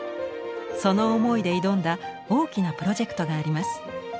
その思いで挑んだ大きなプロジェクトがあります。